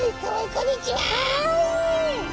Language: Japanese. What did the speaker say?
こんにちは。